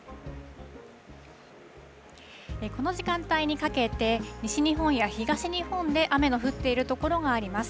この時間帯にかけて、西日本や東日本で雨の降っている所があります。